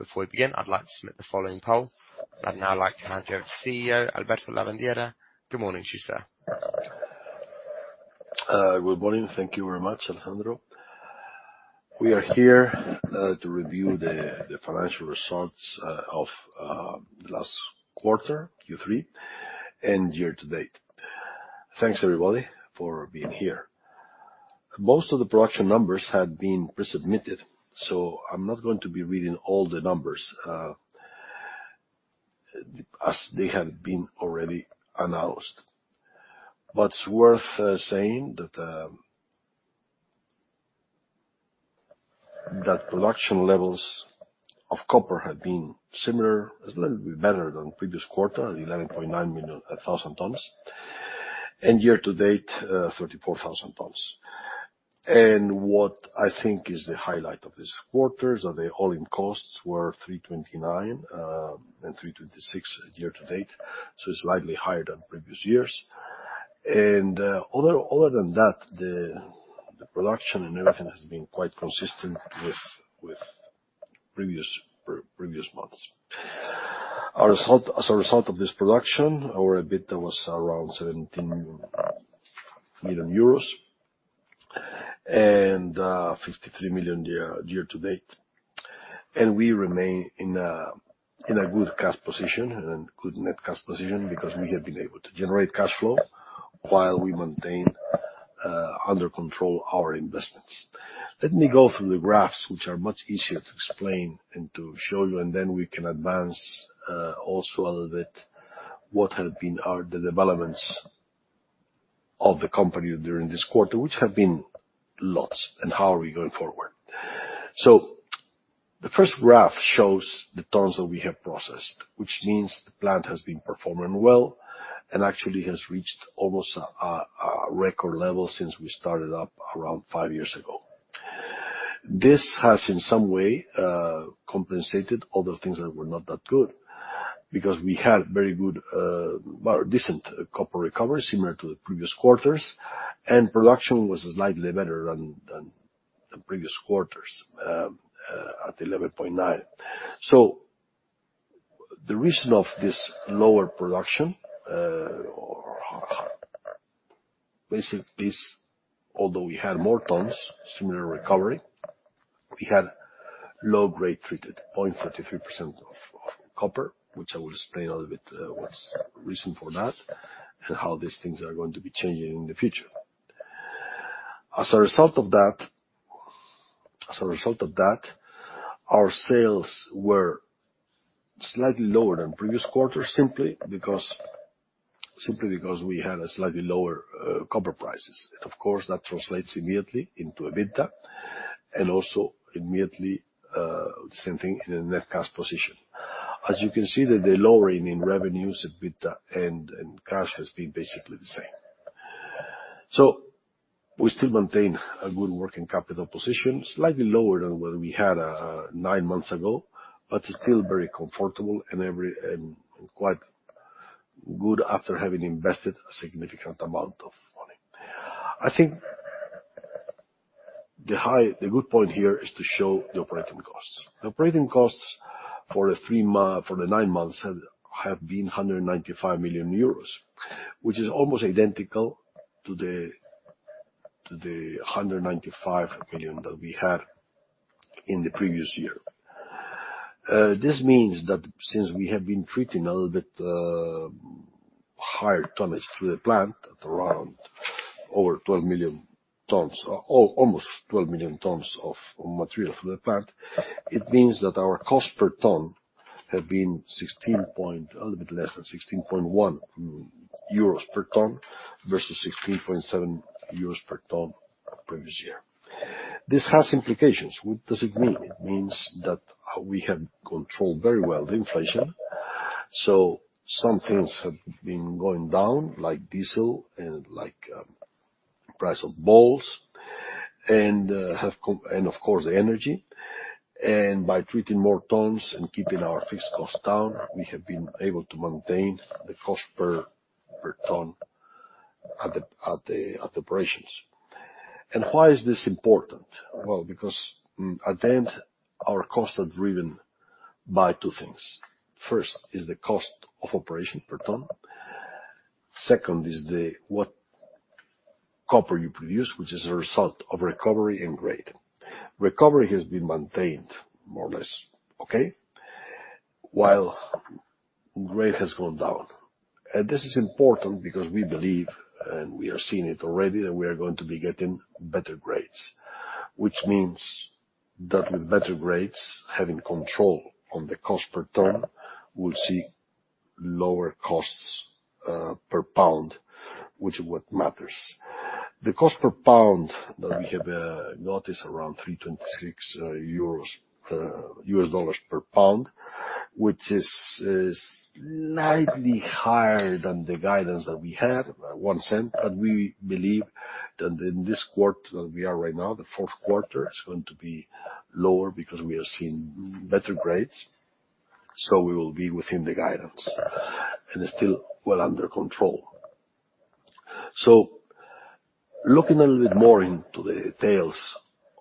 Before we begin, I'd like to submit the following poll. I'd now like to hand you over to CEO Alberto Lavandeira. Good morning to you, sir. Good morning. Thank you very much, Alejandro. We are here to review the financial results of the last quarter, Q3, and year-to-date. Thanks, everybody, for being here. Most of the production numbers had been pre-submitted, so I'm not going to be reading all the numbers as they have been already announced. But it's worth saying that production levels of copper had been similar, a little bit better than the previous quarter, at 11.9 thousand tons, and year-to-date, 34 thousand tons. And what I think is the highlight of this quarter is that the all-in costs were 329 and 326 year-to-date, so it's slightly higher than previous years. And other than that, the production and everything has been quite consistent with previous months. As a result of this production, our EBITDA was around 17 million euros and 53 million year-to-date. And we remain in a good net cash position because we have been able to generate cash flow while we maintain under control our investments. Let me go through the graphs, which are much easier to explain and to show you, and then we can advance also a little bit what have been the developments of the company during this quarter, which have been lots, and how are we going forward. So the first graph shows the tons that we have processed, which means the plant has been performing well and actually has reached almost a record level since we started up around five years ago. This has, in some way, compensated other things that were not that good because we had very good, well, decent copper recovery similar to the previous quarters, and production was slightly better than previous quarters at 11.9 thousand tons. So the reason of this lower production basically is, although we had more tons, similar recovery, we had low-grade treated, 0.43% of copper, which I will explain a little bit what's the reason for that and how these things are going to be changing in the future. As a result of that, our sales were slightly lower than previous quarters simply because we had slightly lower copper prices. And of course, that translates immediately into EBITDA and also immediately the same thing in the net cash position. As you can see, the lowering in revenues, EBITDA, and cash has been basically the same. So we still maintain a good working capital position, slightly lower than what we had nine months ago, but still very comfortable and quite good after having invested a significant amount of money. I think the good point here is to show the operating costs. The operating costs for the nine months have been 195 million euros, which is almost identical to the 195 million that we had in the previous year. This means that since we have been treating a little bit higher tonnage through the plant at around over 12 million tons, almost 12 million tons of material through the plant, it means that our cost per ton have been a little bit less than 16.1 euros per ton versus 16.7 euros per ton previous year. This has implications. What does it mean? It means that we have controlled very well the inflation. So some things have been going down, like diesel and like the price of balls, and of course, the energy. And by treating more tons and keeping our fixed costs down, we have been able to maintain the cost per ton at operations. And why is this important? Because at the end, our costs are driven by two things. First is the cost of operation per ton. Second is what copper you produce, which is a result of recovery and grade. Recovery has been maintained more or less okay, while grade has gone down. This is important because we believe, and we are seeing it already, that we are going to be getting better grades, which means that with better grades, having control on the cost per ton, we'll see lower costs per pound, which is what matters. The cost per pound that we have got is around $326 per pound, which is slightly higher than the guidance that we had, $0.01. We believe that in this quarter that we are right now, the fourth quarter, it's going to be lower because we are seeing better grades. So we will be within the guidance and still well under control. So looking a little bit more into the details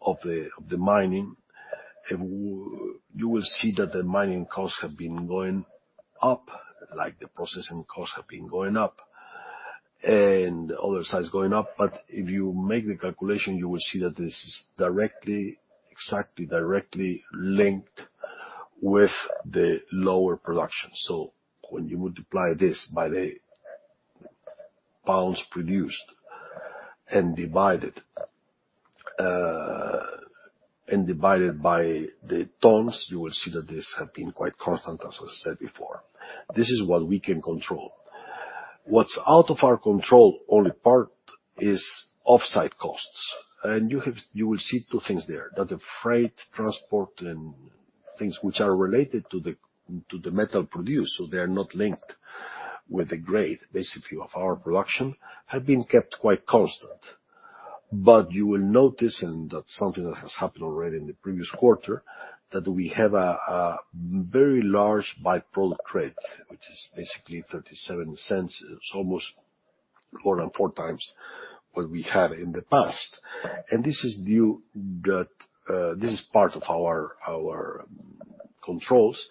of the mining, you will see that the mining costs have been going up, like the processing costs have been going up, and other costs going up. But if you make the calculation, you will see that this is exactly directly linked with the lower production. So when you multiply this by the pounds produced and divided by the tons, you will see that this has been quite constant, as I said before. This is what we can control. What's out of our control only part is offsite costs. And you will see two things there: that the freight, transport, and things which are related to the metal produced, so they are not linked with the grade, basically, of our production have been kept quite constant. But you will notice, and that's something that has happened already in the previous quarter, that we have a very large by-product rate, which is basically $0.37. It's almost more than four times what we had in the past. And this is part of our controls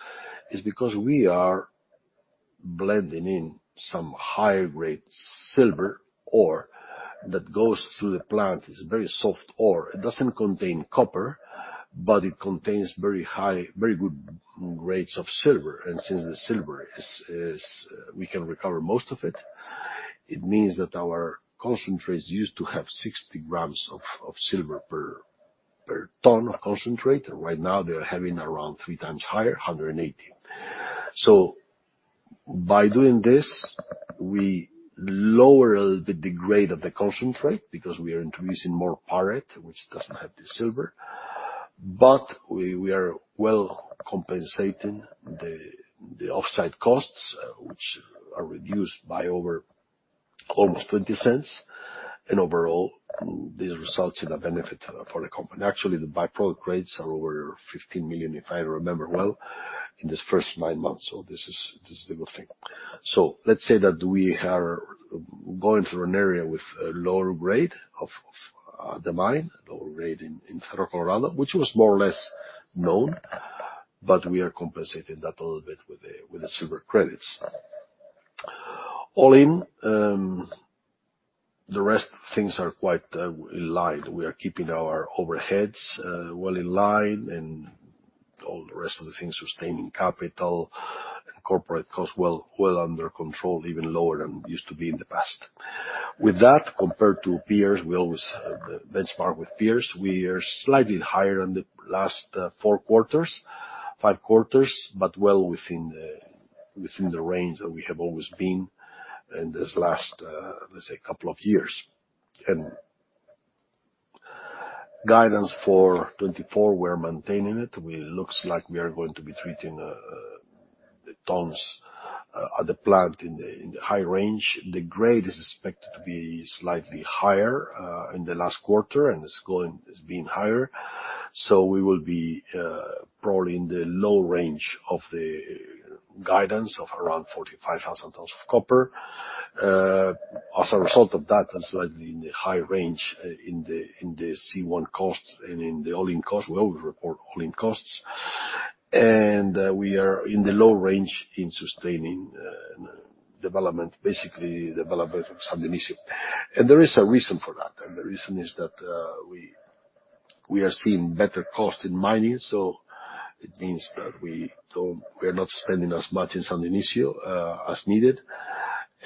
because we are blending in some higher-grade silver ore that goes through the plant. It's a very soft ore. It doesn't contain copper, but it contains very good grades of silver. And since the silver, we can recover most of it, it means that our concentrates used to have 60 g of silver per ton of concentrate. Right now, they are having around 3x higher, 180. So by doing this, we lower a little bit the grade of the concentrate because we are introducing more pyrite, which doesn't have the silver. But we are well compensating the off-site costs, which are reduced by almost $0.20. And overall, this results in a benefit for the company. Actually, the by-product credits are over $15 million, if I remember well, in this first nine months. So this is a good thing. So let's say that we are going through an area with a lower grade of the mine, lower grade in Cerro Colorado, which was more or less known, but we are compensating that a little bit with the silver credits. All in, the rest of things are quite in line. We are keeping our overheads well in line and all the rest of the things, sustaining capital and corporate costs well under control, even lower than used to be in the past. With that, compared to peers, we always benchmark with peers. We are slightly higher than the last four quarters, five quarters, but well within the range that we have always been in this last, let's say, couple of years, and guidance for 2024, we're maintaining it. It looks like we are going to be treating the tons at the plant in the high range. The grade is expected to be slightly higher in the last quarter, and it's been higher. So we will be probably in the low range of the guidance of around 45,000 tons of copper. As a result of that, that's likely in the high range in the C1 cost and in the all-in cost. We always report all-in costs, and we are in the low range in sustaining development, basically development of San Dionisio. And there is a reason for that, and the reason is that we are seeing better cost in mining. So it means that we are not spending as much in San Dionisio as needed.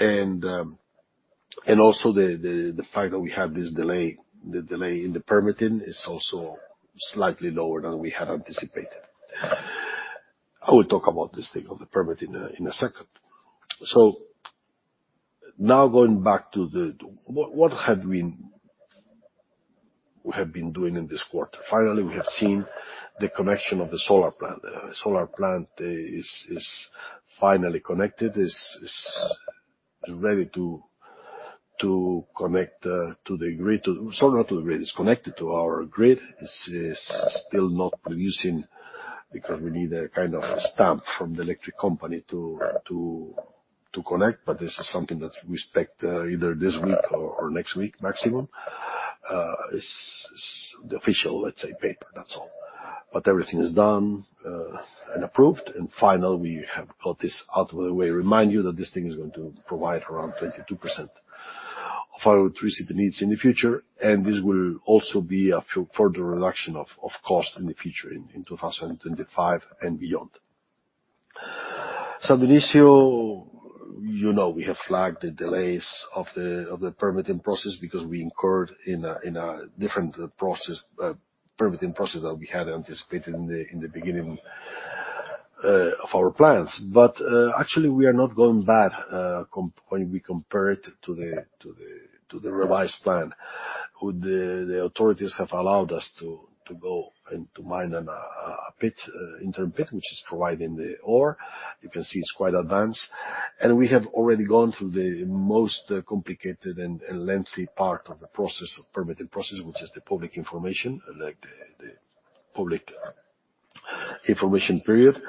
And also, the fact that we had this delay in the permitting is also slightly lower than we had anticipated. I will talk about this thing of the permitting in a second. So now going back to what have we been doing in this quarter. Finally, we have seen the connection of the solar plant. The solar plant is finally connected. It's ready to connect to the grid. So not to the grid. It's connected to our grid. It's still not producing because we need a kind of stamp from the electric company to connect. But this is something that we expect either this week or next week, maximum. It's the official, let's say, paper. That's all. But everything is done and approved. And final, we have got this out of the way. Remind you that this thing is going to provide around 22% of our electricity needs in the future. And this will also be a further reduction of cost in the future in 2025 and beyond. San Dionisio, you know we have flagged the delays of the permitting process because we incurred in a different permitting process that we had anticipated in the beginning of our plans. But actually, we are not going bad when we compare it to the revised plan. The authorities have allowed us to go and to mine an interim pit, which is providing the ore. You can see it's quite advanced. And we have already gone through the most complicated and lengthy part of the permitting process, which is the public information, the public information period.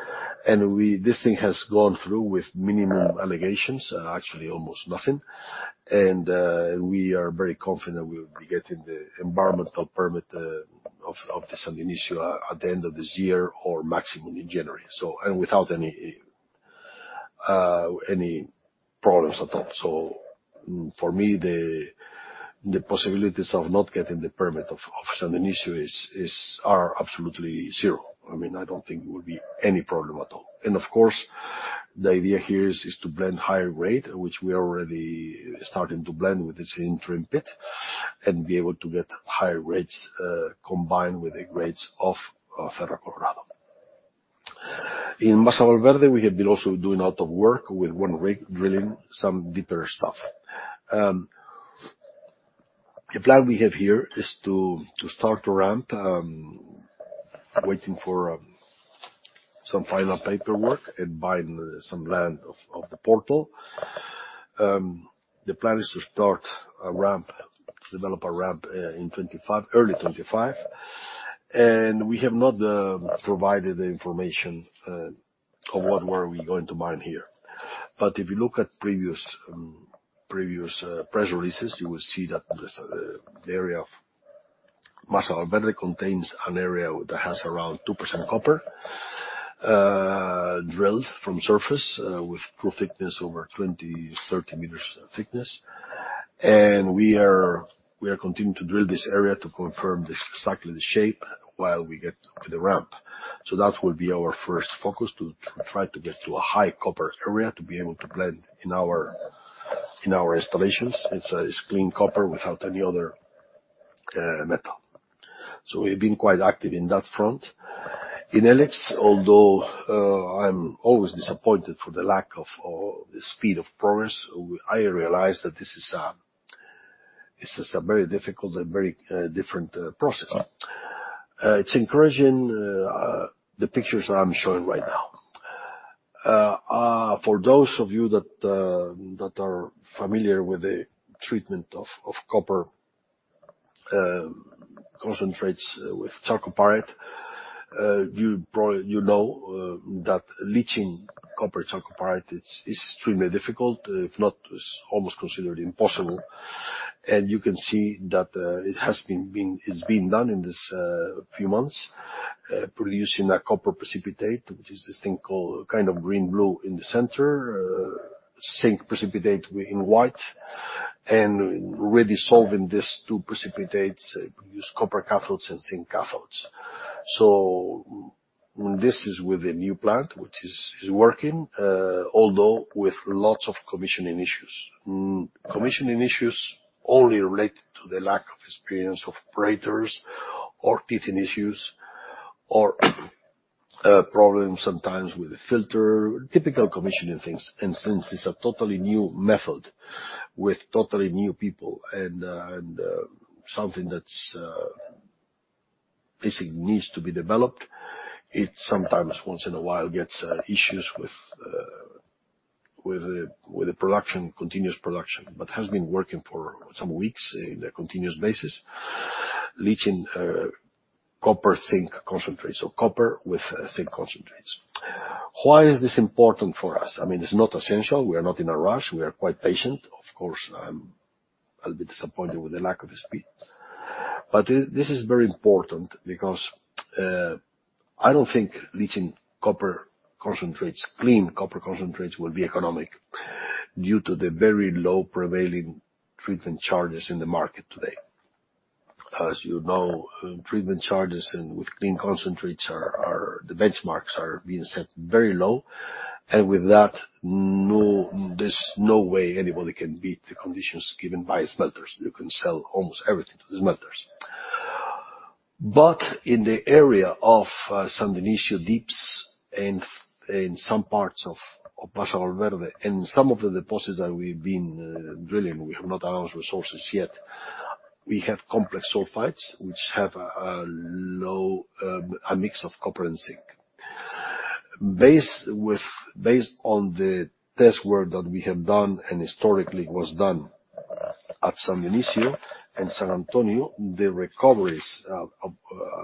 And this thing has gone through with minimum allegations, actually almost nothing. We are very confident we will be getting the environmental permit of the San Dionisio at the end of this year or maximum in January, and without any problems at all. For me, the possibilities of not getting the permit of San Dionisio are absolutely zero. I mean, I don't think it will be any problem at all. Of course, the idea here is to blend higher grade, which we are already starting to blend with this interim pit, and be able to get higher grades combined with the grades of Cerro Colorado. In Masa Valverde, we have been also doing a lot of work with one rig drilling some deeper stuff. The plan we have here is to start a ramp, waiting for some final paperwork and buying some land of the portal. The plan is to start a ramp, develop a ramp in early 2025. We have not provided the information of what we are going to mine here. If you look at previous press releases, you will see that the area of Masa Valverde contains an area that has around 2% copper drilled from surface with through thickness over 20 m-30 m thickness. We are continuing to drill this area to confirm exactly the shape while we get to the ramp. That will be our first focus to try to get to a high copper area to be able to blend in our installations. It's clean copper without any other metal. We've been quite active in that front. In E-LIX, although I'm always disappointed for the lack of the speed of progress, I realize that this is a very difficult and very different process. It's encouraging, the pictures I'm showing right now. For those of you that are familiar with the treatment of copper concentrates with chalcopyrite, you know that leaching copper chalcopyrite is extremely difficult, if not almost considered impossible, and you can see that it has been done in these few months, producing a copper precipitate, which is this thing called kind of green-blue in the center, zinc precipitate in white, and really dissolving these two precipitates, it produced copper cathodes and zinc cathodes, so this is with a new plant which is working, although with lots of commissioning issues, commissioning issues only related to the lack of experience of operators or teething issues or problems sometimes with the filter, typical commissioning things, and since it's a totally new method with totally new people and something that basically needs to be developed, it sometimes once in a while gets issues with the continuous production. But has been working for some weeks in a continuous basis, leaching copper zinc concentrates. So copper with zinc concentrates. Why is this important for us? I mean, it's not essential. We are not in a rush. We are quite patient. Of course, I'm a little bit disappointed with the lack of speed. But this is very important because I don't think leaching copper concentrates, clean copper concentrates will be economic due to the very low prevailing treatment charges in the market today. As you know, treatment charges and with clean concentrates, the benchmarks are being set very low. And with that, there's no way anybody can beat the conditions given by smelters. You can sell almost everything to the smelters. But in the area of San Dionisio Deeps and in some parts of Masa Valverde and some of the deposits that we've been drilling, we have not announced resources yet. We have complex sulfides, which have a mix of copper and zinc. Based on the test work that we have done and historically was done at San Dionisio and San Antonio, the recoveries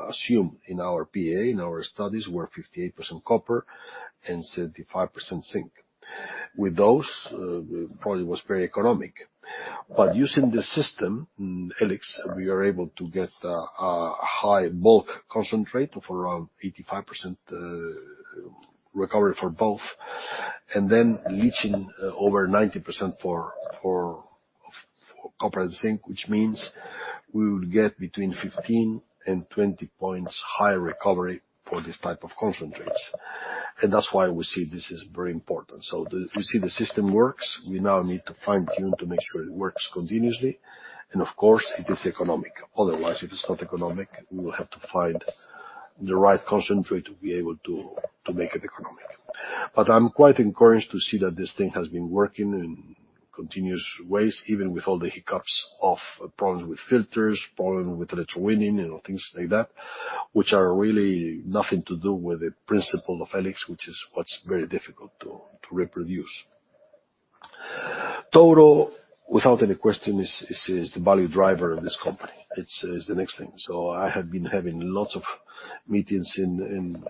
assumed in our PEA, in our studies, were 58% copper and 75% zinc. With those, probably it was very economic. But using the system, E-LIX, we are able to get a high bulk concentrate of around 85% recovery for both, and then leaching over 90% for copper and zinc, which means we will get between 15 points and 20 points higher recovery for this type of concentrates. And that's why we see this is very important. So we see the system works. We now need to fine-tune to make sure it works continuously. And of course, it is economic. Otherwise, if it's not economic, we will have to find the right concentrate to be able to make it economic. But I'm quite encouraged to see that this thing has been working in continuous ways, even with all the hiccups of problems with filters, problems with electrowinning, things like that, which are really nothing to do with the principle of E-LIX, which is what's very difficult to reproduce. Touro, without any question, is the value driver of this company. It's the next thing. So I have been having lots of meetings in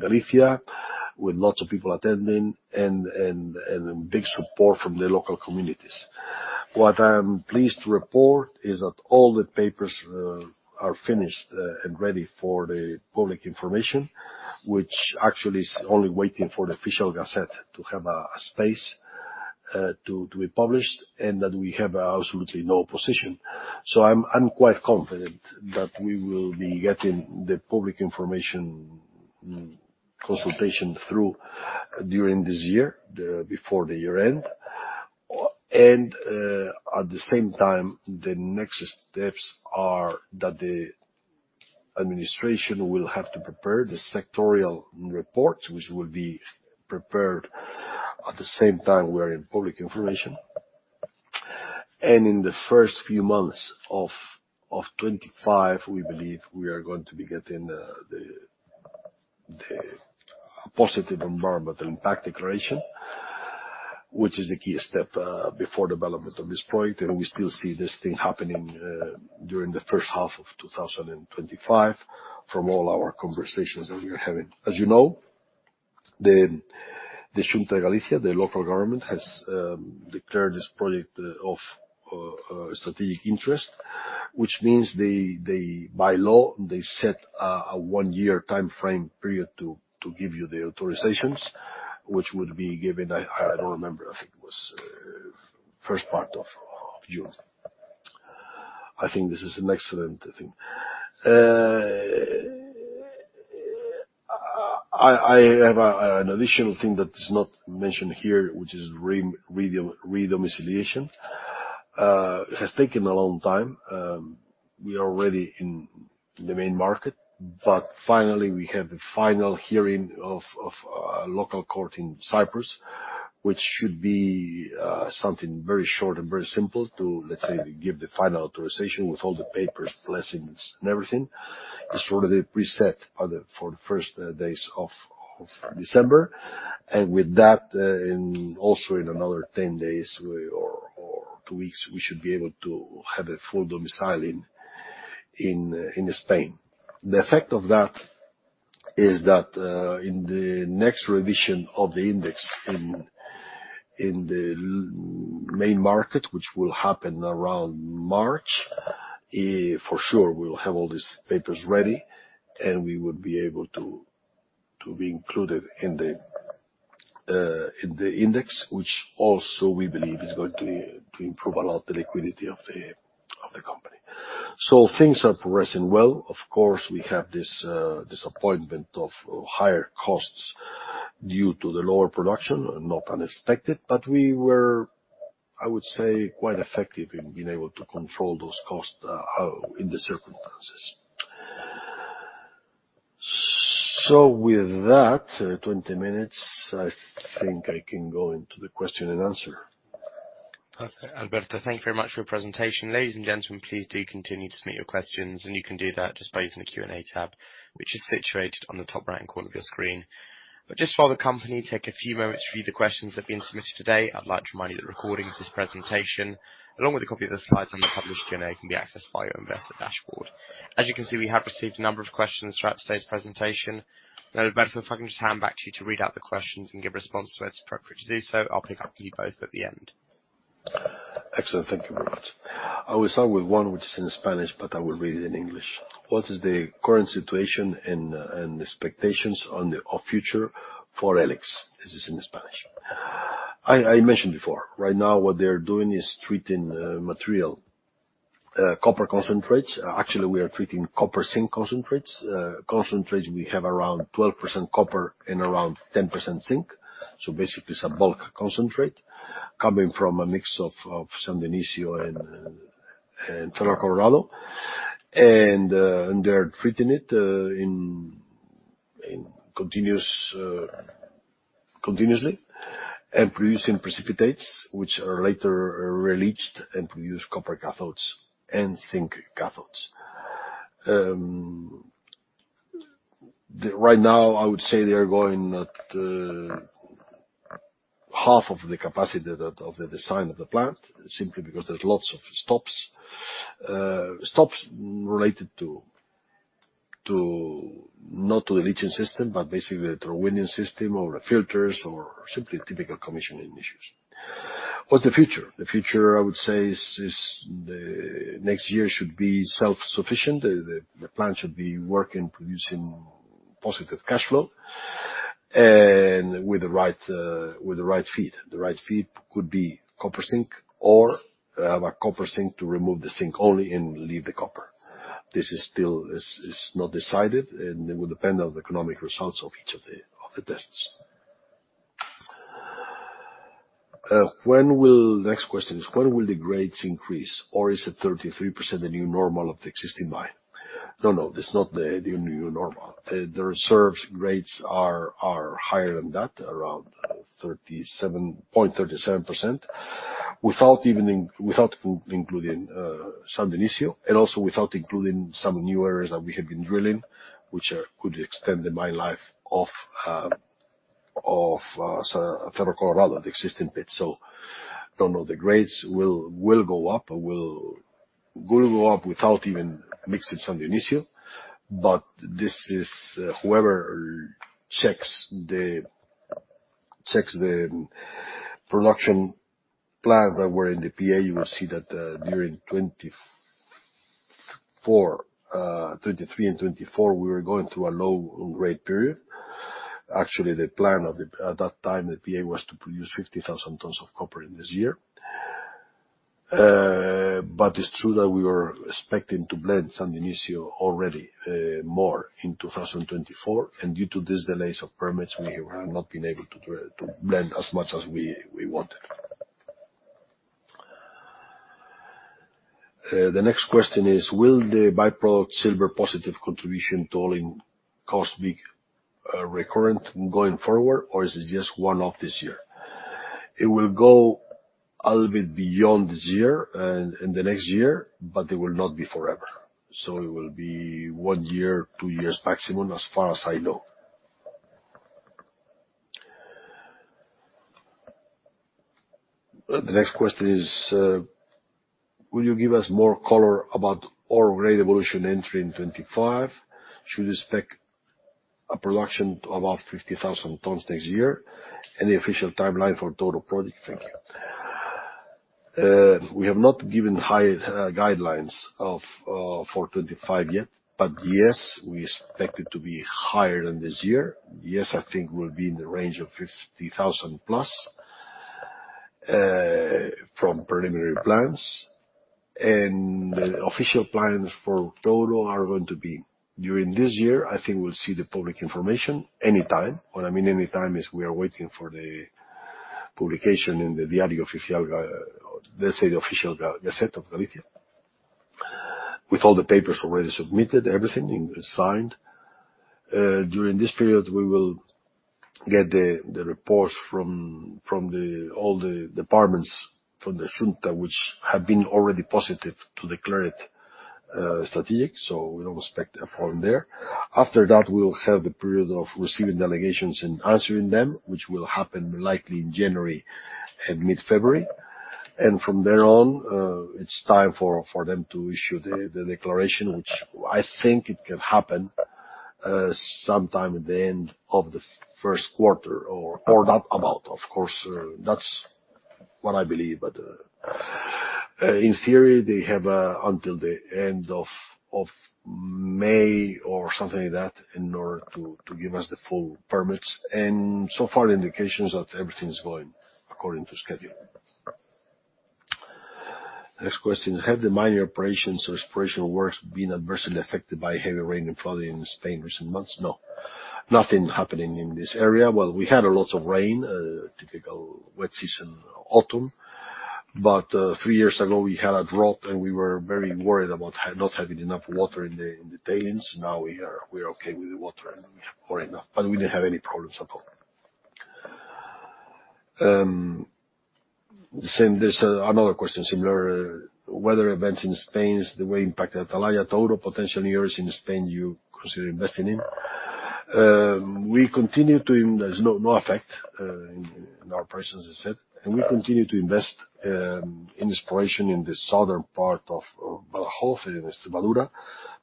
Galicia with lots of people attending and big support from the local communities. What I'm pleased to report is that all the papers are finished and ready for the public information, which actually is only waiting for the Official Gazette to have a space to be published and that we have absolutely no opposition. So I'm quite confident that we will be getting the public information consultation through during this year before the year end. And at the same time, the next steps are that the administration will have to prepare the sectoral reports, which will be prepared at the same time we are in public information. And in the first few months of 2025, we believe we are going to be getting the positive Environmental Impact Declaration, which is the key step before development of this project. And we still see this thing happening during the first half of 2025 from all our conversations that we are having. As you know, the Xunta de Galicia, the local government, has declared this project of strategic interest, which means by law, they set a one-year timeframe period to give you the authorizations, which would be given. I don't remember. I think it was first part of June. I think this is an excellent thing. I have an additional thing that is not mentioned here, which is re-domiciliation. It has taken a long time. We are already in the Main Market. But finally, we have the final hearing of a local court in Cyprus, which should be something very short and very simple to, let's say, give the final authorization with all the papers, blessings, and everything. It's already preset for the first days of December. And with that, also in another 10 days or two weeks, we should be able to have a full domicile in Spain. The effect of that is that in the next revision of the index in the Main Market, which will happen around March, for sure, we will have all these papers ready, and we would be able to be included in the index, which also we believe is going to improve a lot the liquidity of the company. So things are progressing well. Of course, we have this impact of higher costs due to the lower production, not unexpected, but we were, I would say, quite effective in being able to control those costs in the circumstances. So with that, 20 minutes, I think I can go into the question and answer. Alberto, thank you very much for your presentation. Ladies and gentlemen, please do continue to submit your questions. You can do that just by using the Q&A tab, which is situated on the top right-hand corner of your screen. Just for the company, take a few moments to review the questions that have been submitted today. I'd like to remind you that the recording of this presentation, along with a copy of the slides and the published Q&A, can be accessed via your Investor dashboard. As you can see, we have received a number of questions throughout today's presentation. Now, Alberto, if I can just hand back to you to read out the questions and give a response to it as appropriate to do so, I'll pick up with you both at the end. Excellent. Thank you very much. I will start with one, which is in Spanish, but I will read it in English. What is the current situation and expectations of the future for E-LIX? This is in Spanish. I mentioned before, right now, what they are doing is treating material copper concentrates. Actually, we are treating copper zinc concentrates. Concentrates, we have around 12% copper and around 10% zinc. So basically, it's a bulk concentrate coming from a mix of San Dionisio and Cerro Colorado. And they are treating it continuously and producing precipitates, which are later releached and produce copper cathodes and zinc cathodes. Right now, I would say they are going at half of the capacity of the design of the plant, simply because there's lots of stops related to not to the leaching system, but basically the electrowinning system or the filters or simply typical commissioning issues. What's the future? The future, I would say, is the next year should be self-sufficient. The plant should be working, producing positive cash flow and with the right feed. The right feed could be copper zinc or have a copper zinc to remove the zinc only and leave the copper. This is still not decided, and it will depend on the economic results of each of the tests. The next question is, when will the grades increase? Or is it 0.33% the new normal of the existing line? No, no, it's not the new normal. The reserves grades are higher than that, around 0.37%, without even including San Dionisio and also without including some new areas that we have been drilling, which could extend the mine life of Cerro Colorado, the existing pits. So I don't know. The grades will go up or will go up without even mixing San Dionisio. But whoever checks the production plans that were in the PEA, you will see that during 2023 and 2024, we were going through a low-grade period. Actually, the plan at that time in the PEA was to produce 50,000 tons of copper in this year. But it's true that we were expecting to blend San Dionisio already more in 2024. And due to these delays of permits, we have not been able to blend as much as we wanted. The next question is, will the by-product silver positive contribution to all-in costs be recurrent going forward, or is it just one-off this year? It will go a little bit beyond this year and the next year, but it will not be forever. So it will be one year, two years maximum, as far as I know. The next question is, will you give us more color about our grade evolution entering 2025? Should we expect a production of about 50,000 tons next year? Any official timeline for Touro project? Thank you. We have not given guidance for 2025 yet, but yes, we expect it to be higher than this year. Yes, I think we'll be in the range of 50,000+ from preliminary plans. And the official plans for Touro are going to be during this year. I think we'll see the public information anytime. What I mean anytime is we are waiting for the publication in the Diario Oficial, let's say the Official Gazette of Galicia, with all the papers already submitted, everything signed. During this period, we will get the reports from all the departments from the Xunta, which have been already positive to declare it strategic. We don't expect a problem there. After that, we'll have the period of receiving delegations and answering them, which will happen likely in January and mid-February. And from there on, it's time for them to issue the declaration, which I think it can happen sometime at the end of the first quarter or thereabouts. Of course, that's what I believe. But in theory, they have until the end of May or something like that in order to give us the full permits. And so far, indications that everything is going according to schedule. Next question is, have the mining operations or exploration works been adversely affected by heavy rain and flooding in Spain in recent months? No. Nothing happening in this area. Well, we had a lot of rain, typical wet season autumn. But three years ago, we had a drought, and we were very worried about not having enough water in the tailings. Now we are okay with the water and we have more enough. But we didn't have any problems at all. There's another question, similar weather events in Spain, the way impacted at Atalaya Touro, potential areas in Spain you consider investing in. We continue to. There's no effect in our operations, as I said. And we continue to invest in exploration in the southern part of Badajoz and Extremadura,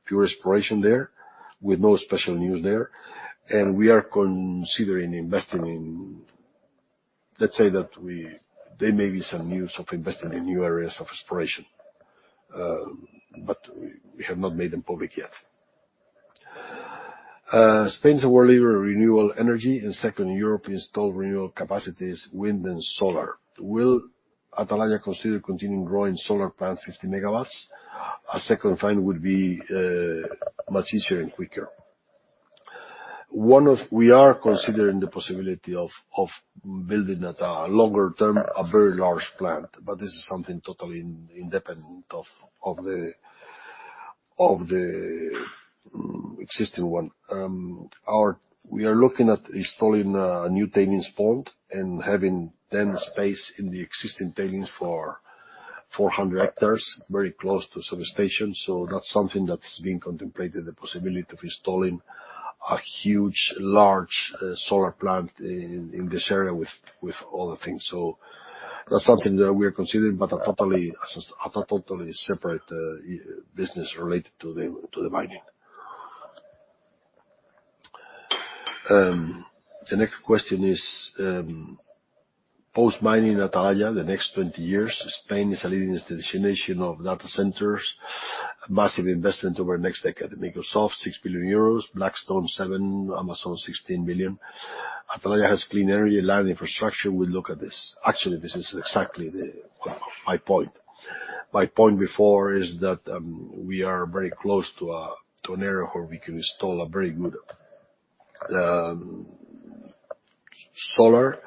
pure exploration there with no special news there. And we are considering investing in. Let's say that there may be some news of investing in new areas of exploration, but we have not made them public yet. Spain is world leader in renewable energy and second in Europe in installed renewable capacities, wind and solar. Will Atalaya consider continuing growing solar plant 50 MW? A second find would be much easier and quicker. We are considering the possibility of building at a longer term, a very large plant, but this is something totally independent of the existing one. We are looking at installing a new tailings pond and having then space in the existing tailings for 400 hectares, very close to substation. So that's something that's being contemplated, the possibility of installing a huge, large solar plant in this area with other things. So that's something that we are considering, but a totally separate business related to the mining. The next question is, post-mining Atalaya, the next 20 years, Spain is a leading destination of data centers, massive investment over the next decade, Microsoft 6 billion euros, Blackstone 7 billion, Amazon 16 billion. Atalaya has clean energy, land infrastructure. We look at this. Actually, this is exactly my point. My point before is that we are very close to an area where we can install a very good solar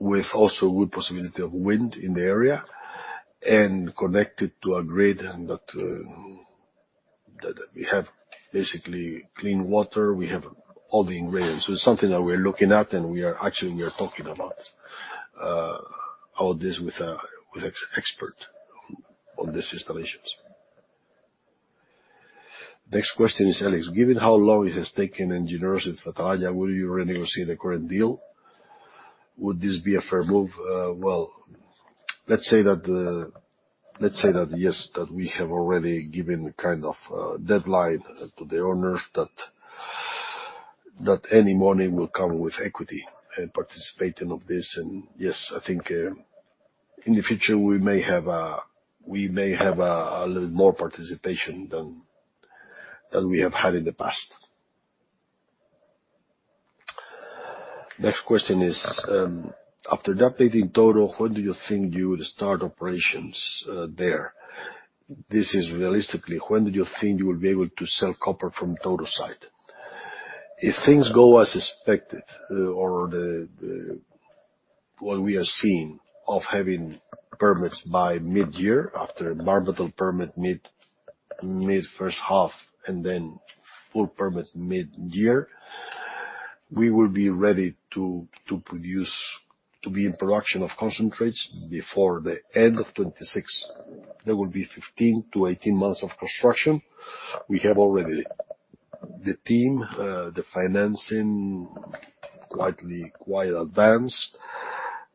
with also good possibility of wind in the area and connected to a grid that we have basically clean water. We have all the ingredients. So it's something that we're looking at, and actually, we are talking about all this with an expert on these installations. Next question is, Alex, given how long it has taken engineers at Atalaya, will you renegotiate the current deal? Would this be a fair move? Well, let's say that yes, that we have already given kind of a deadline to the owners that any money will come with equity and participating of this. And yes, I think in the future, we may have a little more participation than we have had in the past. Next question is, after the updating Touro, when do you think you would start operations there? This is realistically, when do you think you will be able to sell copper from Touro site? If things go as expected or what we are seeing of having permits by mid-year after environmental permit mid-first half and then full permit mid-year, we will be ready to produce, to be in production of concentrates before the end of 2026. There will be 15-18 months of construction. We have already the team, the financing quite advanced,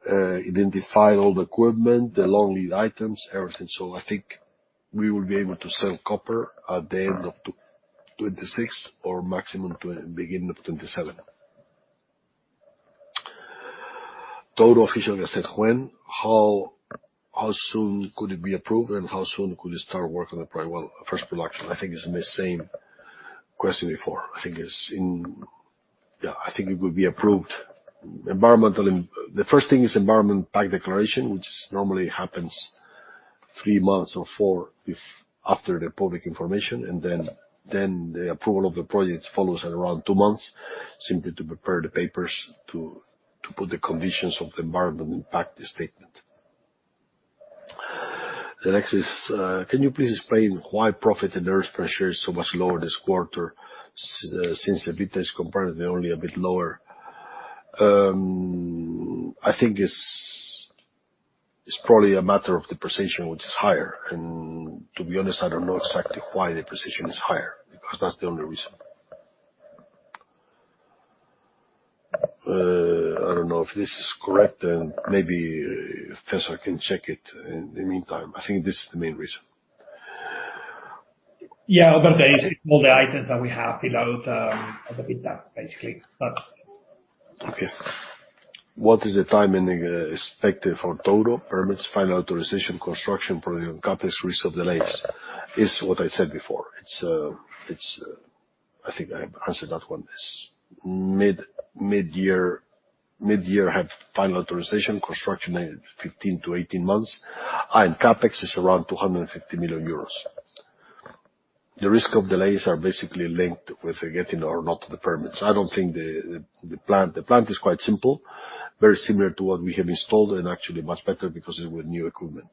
identified all the equipment, the long lead items, everything. So I think we will be able to sell copper at the end of 2026 or maximum to the beginning of 2027. Touro Official Gazette, when? How soon could it be approved, and how soon could we start work on the first production? I think it's the same question before. I think it's in, yeah, I think it would be approved. The first thing is environmental impact declaration, which normally happens three months or four after the public information. And then the approval of the project follows at around two months, simply to prepare the papers to put the conditions of the Environmental Impact Statement. The next is, can you please explain why profit and earnings per share is so much lower this quarter since the EBITDA is comparatively only a bit lower? I think it's probably a matter of the depreciation, which is higher. And to be honest, I don't know exactly why the depreciation is higher because that's the only reason. I don't know if this is correct, and maybe Cesar can check it in the meantime. I think this is the main reason. Yeah, Alberto, it's all the items that we have below EBITDA, basically. Okay. What is the time and expected for total permits, final authorization, construction, production CapEx, risk of delays? It's what I said before. I think I answered that one. It's mid-year, have final authorization, construction 15-18 months. CapEx is around 250 million euros. The risk of delays are basically linked with getting or not the permits. I don't think the plant is quite simple, very similar to what we have installed and actually much better because it's with new equipment.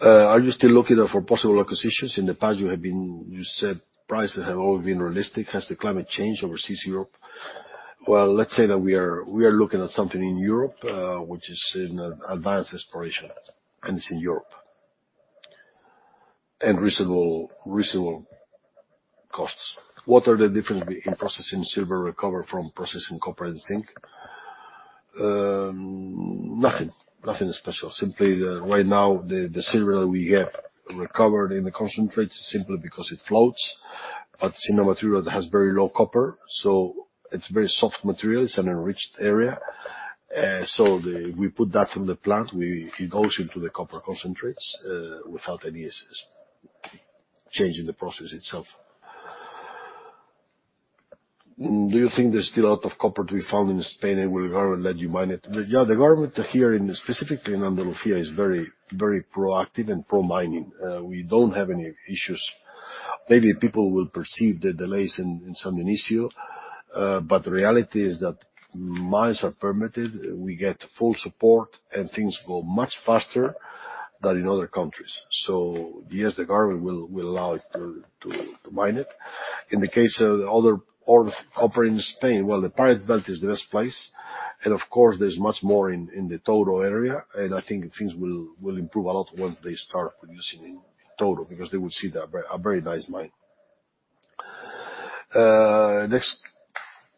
Are you still looking for possible acquisitions? In the past, you said prices have always been realistic. Has the climate changed overseas Europe? Let's say that we are looking at something in Europe, which is an advanced exploration and it's in Europe and reasonable costs. What are the differences in processing silver recovered from processing copper and zinc? Nothing. Nothing special. Simply right now, the silver that we have recovered in the concentrates is simply because it floats, but it's in a material that has very low copper. So it's a very soft material. It's an enriched area. So we put that from the plant. It goes into the copper concentrates without any changing the process itself. Do you think there's still a lot of copper to be found in Spain and will the government let you mine it? Yeah, the government here, specifically in Andalucía, is very proactive and pro-mining. We don't have any issues. Maybe people will perceive the delays in San Dionisio, but the reality is that mines are permitted. We get full support, and things go much faster than in other countries. Yes, the government will allow it to mine it. In the case of other copper in Spain, well, the Iberian Pyrite Belt is the best place. Of course, there's much more in the Touro area. I think things will improve a lot once they start producing in Touro because they will see a very nice mine. Next question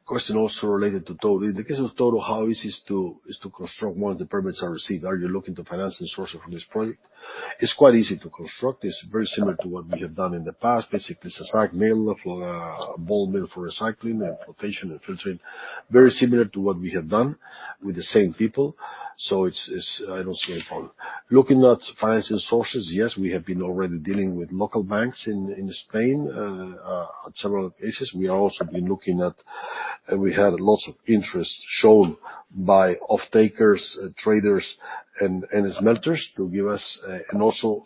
also related to Touro. In the case of Touro, how easy is it to construct once the permits are received? Are you looking to finance and source for this project? It's quite easy to construct. It's very similar to what we have done in the past, basically SAG mill, ball mill for regrinding and flotation and filtering. Very similar to what we have done with the same people. I don't see any problem. Looking at financing sources, yes, we have been already dealing with local banks in Spain in several cases. We have also been looking at, and we had lots of interest shown by off-takers, traders, and smelters to give us, and also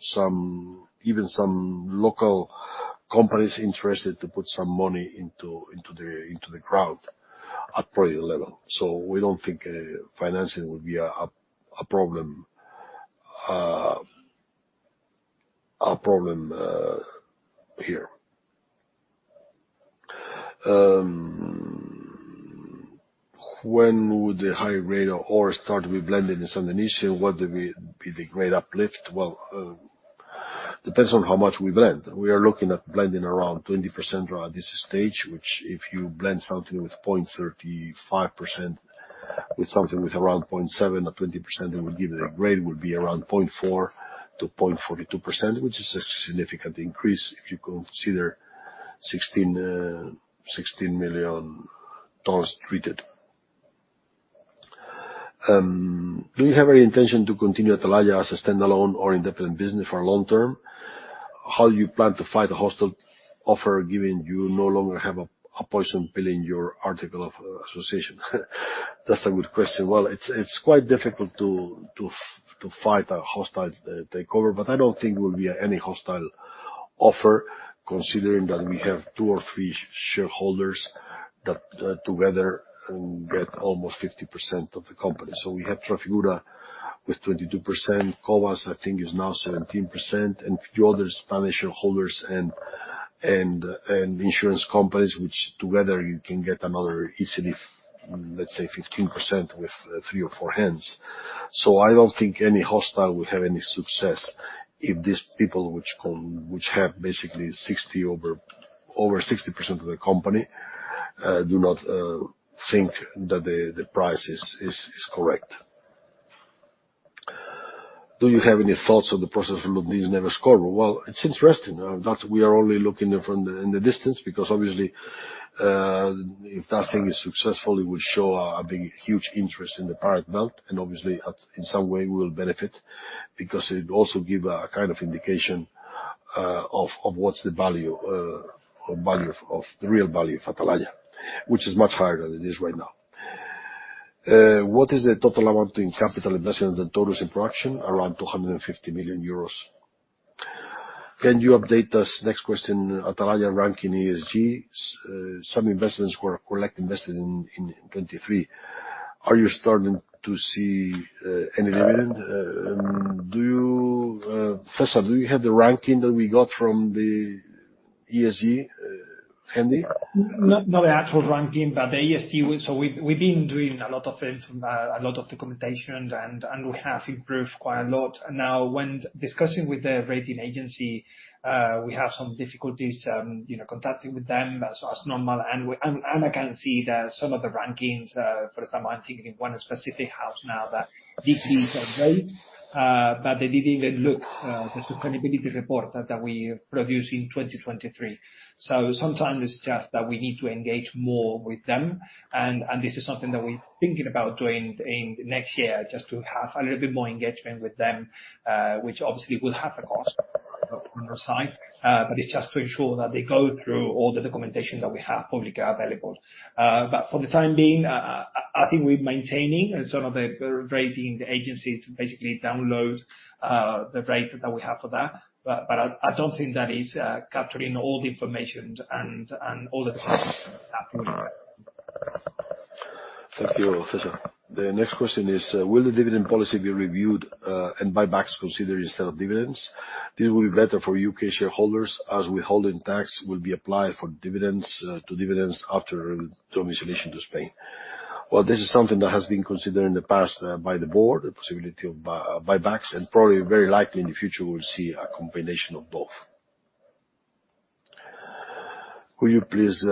even some local companies interested to put some money into the ground at project level. So we don't think financing would be a problem here. When would the high-grade ore start to be blended in San Dionisio? What would be the grade uplift? Well, it depends on how much we blend. We are looking at blending around 20% at this stage, which if you blend something with 0.35% with something with around 0.7% or 20%, it would give the grade would be around 0.4%-0.42%, which is a significant increase if you consider 16 million tons treated. Do you have any intention to continue Atalaya as a standalone or independent business for long term? How do you plan to fight a hostile offer given you no longer have a poison pill in your article of association? That's a good question. It's quite difficult to fight a hostile takeover, but I don't think there will be any hostile offer considering that we have two or three shareholders that together get almost 50% of the company. So we have Trafigura with 22%, Cobas, I think, is now 17%, and a few other Spanish shareholders and insurance companies, which together you can get another easily, let's say, 15% with three or four hands. So I don't think any hostile will have any success if these people, which have basically 60% of the company, do not think that the price is correct. Do you have any thoughts on the process of Lundin, Neves-Corvo? Well, it's interesting. We are only looking in the distance because obviously, if nothing is successful, it would show a huge interest in the Iberian Pyrite Belt. And obviously, in some way, we will benefit because it also gives a kind of indication of what's the value of the real value of Atalaya, which is much higher than it is right now. What is the total amount in capital investment and totals in production? Around 250 million euros. Can you update us? Next question, Atalaya ranking ESG. Some investments were correctly invested in 2023. Are you starting to see any dividend? Cesar, do you have the ranking that we got from the ESG handy? Not the actual ranking, but the ESG. So we've been doing a lot of documentation, and we have improved quite a lot. Now, when discussing with the rating agency, we have some difficulties contacting them as normal, and I can see that some of the rankings, for example, I'm thinking of one specific house now that decreased a bit, but they didn't even look at the sustainability report that we produced in 2023, so sometimes it's just that we need to engage more with them. And this is something that we're thinking about doing next year just to have a little bit more engagement with them, which obviously will have a cost on our side, but it's just to ensure that they go through all the documentation that we have publicly available, but for the time being, I think we're maintaining some of the rating agencies to basically downgrade the rating that we have from that. But I don't think that is capturing all the information and all the results that we have. Thank you, Cesar. The next question is, will the dividend policy be reviewed and buybacks considered instead of dividends? This will be better for U.K. shareholders as withholding tax will be applied to dividends after domiciliation to Spain. Well, this is something that has been considered in the past by the board, the possibility of buybacks, and probably very likely in the future we'll see a combination of both. Could you please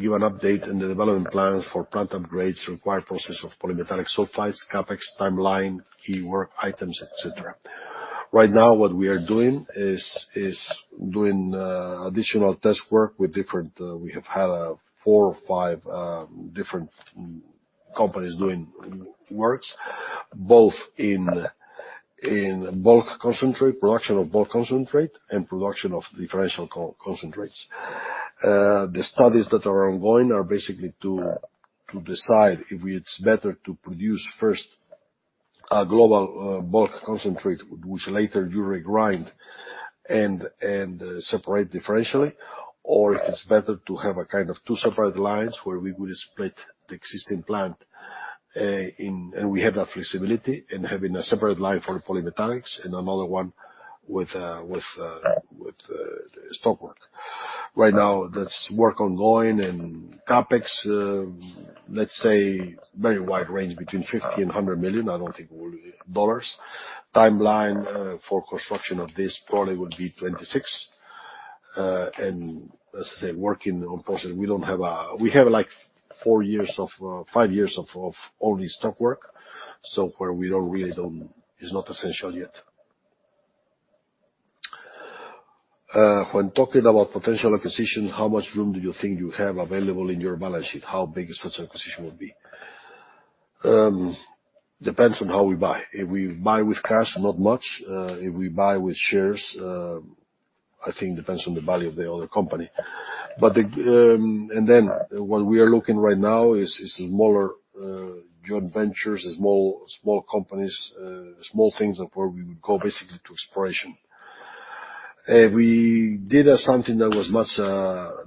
give an update on the development plans for plant upgrades, required process of polymetallic sulfides, CapEx timeline, key work items, etc.? Right now, what we are doing is doing additional test work. We have had four or five different companies doing work, both in bulk concentrate production of bulk concentrate, and production of differential concentrates. The studies that are ongoing are basically to decide if it's better to produce first a global bulk concentrate, which later you regrind and separate differentially, or if it's better to have a kind of two separate lines where we would split the existing plant and we have that flexibility and having a separate line for polymetallics and another one with stockwork. Right now, that's work ongoing and CapEx, let's say, very wide range between $50 million and $100 million. Timeline for construction of this probably will be 2026. As I say, working on process, we don't have; we have like four years of five years of only stockwork, so where we really don't, it's not essential yet. When talking about potential acquisition, how much room do you think you have available in your balance sheet? How big such acquisition will be? Depends on how we buy. If we buy with cash, not much. If we buy with shares, I think it depends on the value of the other company, and then what we are looking right now is smaller joint ventures, small companies, small things where we would go basically to exploration. If we did something that was much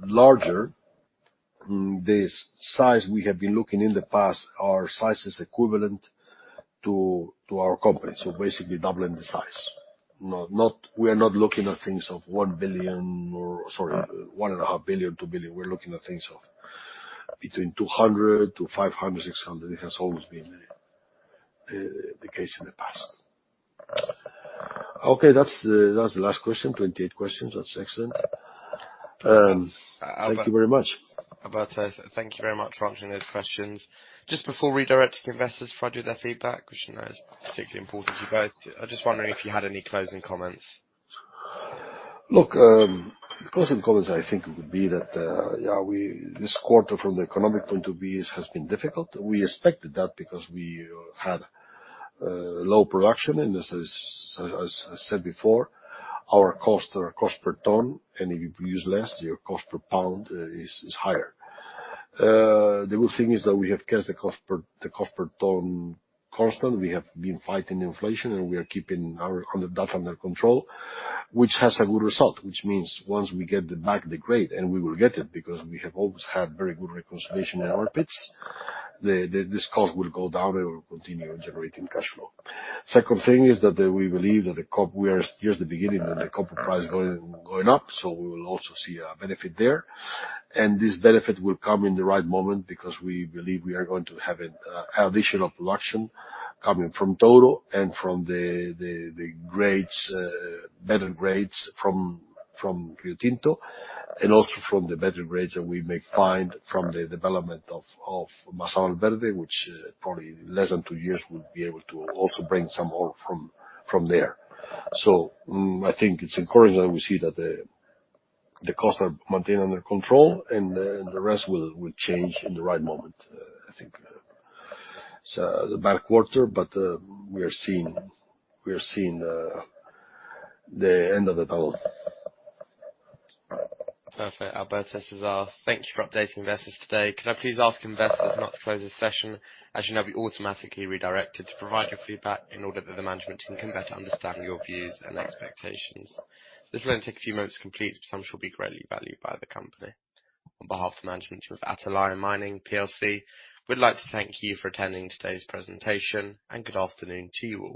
larger, the size we have been looking in the past, our size is equivalent to our company. So basically doubling the size. We are not looking at things of $1 billion or sorry, $1.5 billion-$1 billion. We're looking at things of between $200 to $500, $600. It has always been the case in the past. Okay, that's the last question. 28 questions. That's excellent. Thank you very much. Alberto, thank you very much for answering those questions. Just before redirecting investors for idea of their feedback, which I know is particularly important to you both, I'm just wondering if you had any closing comments? Look, the closing comments I think would be that, yeah, this quarter from the economic point of view has been difficult. We expected that because we had low production. And as I said before, our cost per ton, and if you produce less, your cost per pound is higher. The good thing is that we have kept the cost per ton constant. We have been fighting inflation, and we are keeping that under control, which has a good result, which means once we get back the grade, and we will get it because we have always had very good reconciliation in our pits, this cost will go down and will continue generating cash flow. Second thing is that we believe that the copper we are just the beginning of the copper price going up, so we will also see a benefit there. This benefit will come in the right moment because we believe we are going to have additional production coming from Touro and from the better grades from Riotinto and also from the better grades that we may find from the development of Masa Valverde, which probably in less than two years we'll be able to also bring some ore from there. So I think it's encouraging that we see that the costs are maintained under control and the rest will change in the right moment, I think. It's a bad quarter, but we are seeing the end of the tunnel. Perfect. Alberto, Cesar, thank you for updating investors today. Can I please ask investors not to close the session? As you know, we automatically redirected to provide your feedback in order that the management team can better understand your views and expectations. This will only take a few moments to complete, but it should be greatly valued by the company. On behalf of the management team of Atalaya Mining PLC, we'd like to thank you for attending today's presentation, and good afternoon to you all.